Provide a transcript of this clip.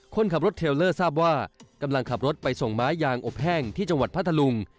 คนขับรถเทลเลอร์ทราบว่ากำลังขับรถไปส่งไม้ยางอบแห้งที่จังหวัดพัทธลุง